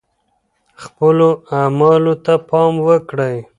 خپلو اعمالو ته پام وکړئ.